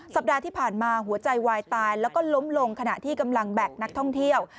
สัปดาห์ที่ผ่านมาหัวใจวายตายแล้วก็ล้มลงขณะที่กำลังแบกนักท่องเที่ยว